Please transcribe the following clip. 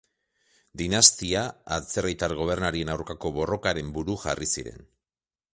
Dinastia, atzerritar gobernarien aurkako borrokaren buru jarri ziren.